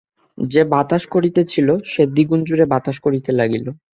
যে বাতাস করিতেছিল, সে দ্বিগুণ জোরে বাতাস করিতে লাগিল।